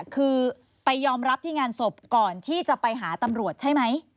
คือไปยอมรับที่งานศพก่อนที่จะไปหาตำรวจใช่ไหม